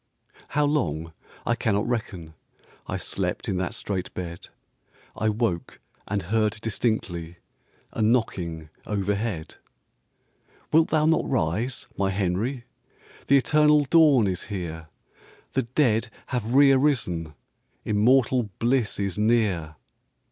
How long I cannot reckon, I slept in that strait bed; I woke and heard distinctly A knocking overhead. "Wilt thou not rise, my Henry? The eternal dawn is here; The dead have re arisen, Immortal bliss is near."